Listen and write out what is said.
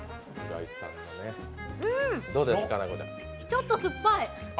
うん、ちょっと酸っぱい。